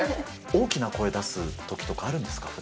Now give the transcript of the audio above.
大きな声出すときとかってあるんですか？